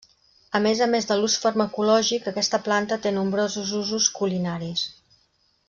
A més a més de l'ús farmacològic aquesta planta té nombrosos usos culinaris.